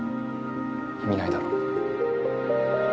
意味ないだろ。